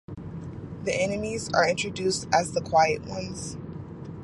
The enemies are introduced as "The Quiet Ones".